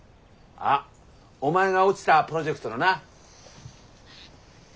あお前が落ちたプロジェクトのな？